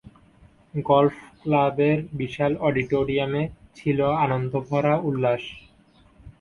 Golf ক্লাবের বিশাল অডিটোরিয়ামে ছিল আনন্দ ভরা উল্লাস।